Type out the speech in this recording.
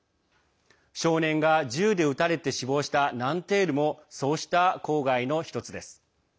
少年が銃で撃たれて死亡したナンテールもそうした郊外の１つです。